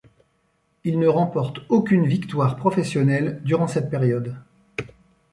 Il ne remporte aucune victoire professionnelle durant cette période.